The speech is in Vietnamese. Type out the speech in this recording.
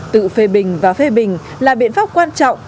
tự phê bình và phê bình là biện pháp quan trọng